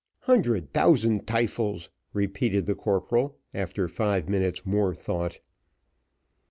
"Hundred thousand tyfels!" repeated the corporal after five minutes' more thought.